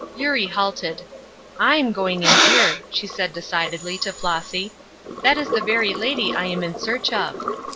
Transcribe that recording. Eurie halted. "I'm going in here," she said, decidedly, to Flossy. "That is the very lady I am in search of."